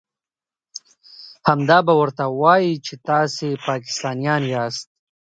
همدا به ورته وايئ چې تاسې پاکستانيان ياست.